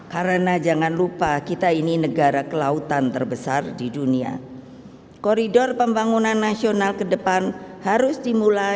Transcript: karena jangan lupa kita harus memiliki kepentingan rakyat yang subur